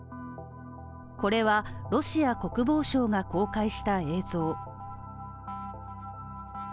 これはロシア国防省が公開した映像。